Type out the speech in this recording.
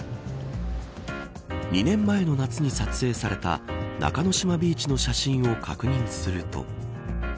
２年前の夏に撮影された中の島ビーチの写真を確認すると。